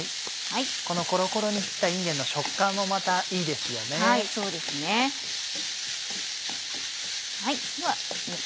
このコロコロに切ったいんげんの食感もまたいいですよね。